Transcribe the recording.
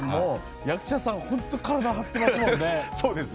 役者さん、本当に体を張っていますもんね。